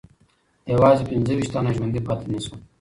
یوازې پنځه ویشت تنه ژوندي پاتې نه سول.